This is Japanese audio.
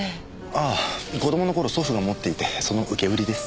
ああ子供の頃祖父が持っていてその受け売りです。